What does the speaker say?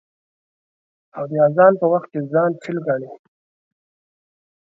او د اذان په وخت کې ځان فيل گڼي.